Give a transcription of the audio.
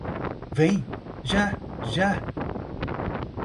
Vem, já, já...